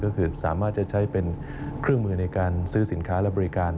ก็คือสามารถจะใช้เป็นเครื่องมือในการซื้อสินค้าและบริการ